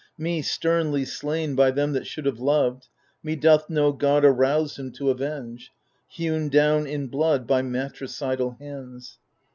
Me, sternly slain by them that should have loved, Me doth no god arouse him to avenge, Hewn down in blood by matricidal hands.